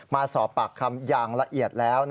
มาสอบปากคำอย่างละเอียดแล้ว